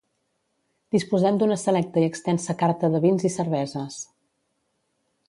Disposem d'una selecta i extensa carta de vins i cerveses.